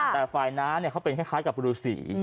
แต่ฝ่ายน้าเขาเป็นคล้ายกับฤษี